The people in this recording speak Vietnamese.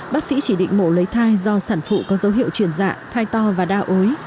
bác sĩ chỉ định mổ lấy thai do sản phụ có dấu hiệu chuyển dạ thai to và đa ối